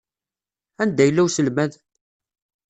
Anda yella uselmad?